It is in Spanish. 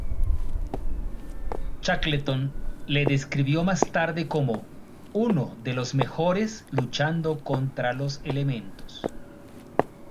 Shackleton le describió más tarde como "uno de los mejores luchando contra los elementos".